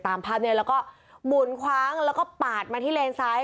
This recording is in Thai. ตามภาพนี้แล้วก็หมุนคว้างแล้วก็ปาดมาที่เลนซ้าย